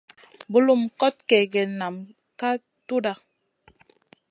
Bulum kot kègèna nam ka tudha.